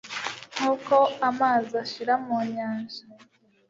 nk'uko amazi ashira mu nyanja